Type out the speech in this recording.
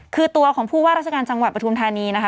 คือตัวของผู้ว่าราชการจังหวัดปฐุมธานีนะคะ